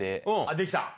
できた？